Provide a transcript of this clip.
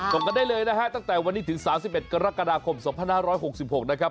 ส่งกันได้เลยนะฮะตั้งแต่วันนี้ถึง๓๑กรกฎาคมสองพันห้าร้อยหกสิบหกนะครับ